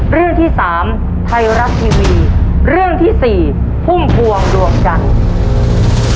เรื่องที่สามไทยรัฐทีวีเรื่องที่สี่พุ่มพวงดวงจันทร์